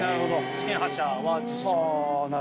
試験発射は実施します。